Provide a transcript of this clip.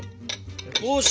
よし！